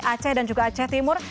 aceh dan juga aceh timur